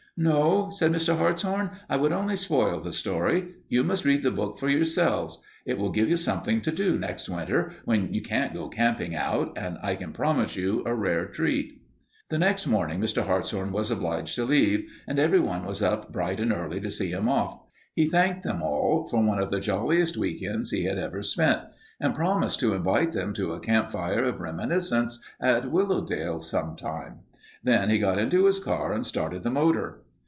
"No," said Mr. Hartshorn, "I would only spoil the story. You must read the book for yourselves. It will give you something to do next winter when you can't go camping out, and I can promise you a rare treat." The next morning Mr. Hartshorn was obliged to leave, and everyone was up bright and early to see him off. He thanked them all for one of the jolliest week ends he had ever spent, and promised to invite them to a campfire of reminiscence at Willowdale sometime. Then he got into his car and started the motor.